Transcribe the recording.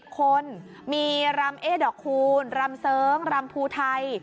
คนมีรำเอ๊ดอกคูณรำเสริงรำภูไทย